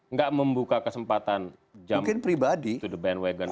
nggak membuka kesempatan jump to the bandwagon